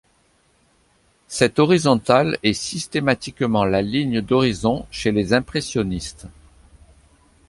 Cette horizontale est systématiquement la ligne d’horizon chez les impressionnistes.